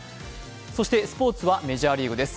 そしてスポーツはメジャーリーグです。